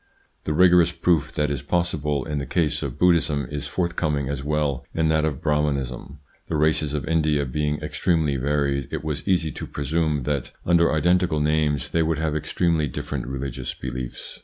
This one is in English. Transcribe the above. The rigorous proof that is possible in the case of Buddhism is forthcoming as well in that of Brah manism. The races of India being extremely varied, it was easy to presume that, under identical ITS INFLUENCE ON THEIR EVOLUTION 87 names, they would have extremely different religious beliefs.